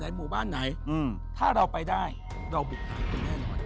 ไหนหมู่บ้านไหนอืมถ้าเราไปได้เราบุกตัดคุณแน่นอน